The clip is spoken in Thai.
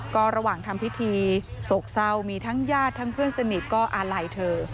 ก็ระหว่างทำพิธีโศกเศร้ามีทั้งญาติทั้งเพื่อนสนิทก็อาลัยเธอ